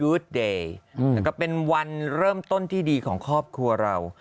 แล้วก็เป็นวันเริ่มต้นที่ดีของครอบครัวเรา